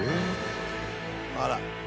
あら？